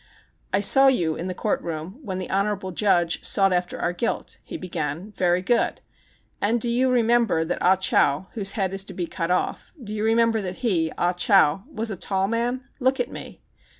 "I saw you in the court room, when the honorable judge sought after our guilt," he began. "Very good. And do you remember that Ah Chow, whose head is to be cut off ã do yc .emember that he ã Ah Chow ã was a tall man ? Look at me."